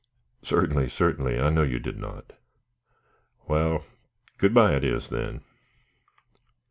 "Certainly, certainly, I know you did not." "Wal, good by it is, then."